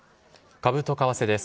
株と為替です。